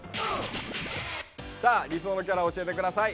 さあ理想のキャラを教えて下さい。